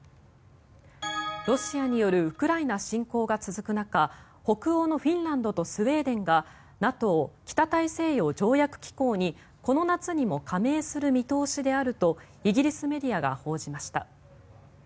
ロシアによるウクライナ侵攻が続く中北欧のフィンランドとスウェーデンがＮＡＴＯ・北大西洋条約機構にこの夏にも加盟する見通しであるとイギリスメディアが報じました。